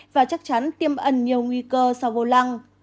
và chắc chắn tiêm ẩn nhiều nguy cơ sau vô lăng